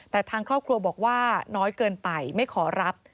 แต่ทางครอบครัวบอกว่าน้อยเกินไปไม่ขอรับ